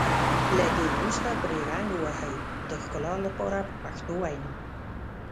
له دې وروسته پرې رنګ ووهئ د ښکلا لپاره په پښتو وینا.